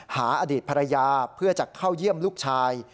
อดีตภรรยาเพื่อจะเข้าเยี่ยมลูกชาย